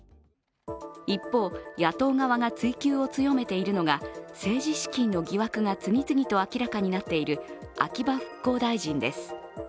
一方、野党側が追及を強めているのが政治資金の疑惑が次々と明らかになっている秋葉復興大臣です。